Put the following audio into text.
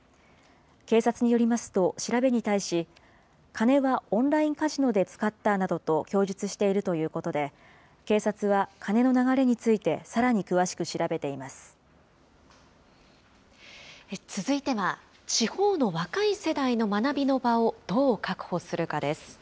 警察によりますと、調べに対し、金はオンラインカジノで使ったなどと供述しているということで、警察は金の流れについて、続いては、地方の若い世代の学びの場をどう確保するかです。